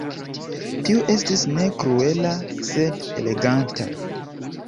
Tiu estis ne kruela, sed eleganta.